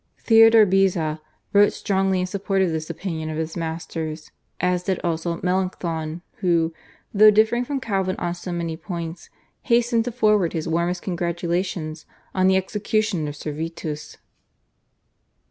Theodore Beza wrote strongly in support of this opinion of his master's, as did also Melanchthon who, though differing from Calvin on so many points, hastened to forward his warmest congratulations on the execution of Servetus.